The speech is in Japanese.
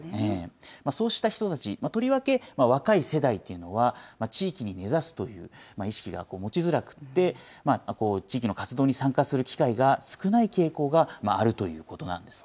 そうした人たち、とりわけ若い世代というのは、地域に根ざすという意識を持ちづらくて、地域の活動に参加する機会が少ない傾向があるということなんです